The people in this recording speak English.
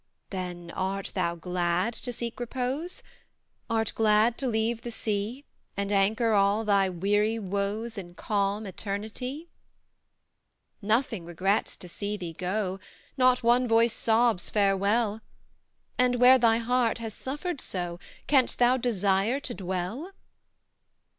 "Then art thou glad to seek repose? Art glad to leave the sea, And anchor all thy weary woes In calm Eternity? "Nothing regrets to see thee go Not one voice sobs' farewell;' And where thy heart has suffered so, Canst thou desire to dwell?"